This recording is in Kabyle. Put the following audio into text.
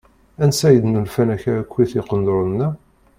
Ansa i d-nulfan akka akkit iqenduṛen-a?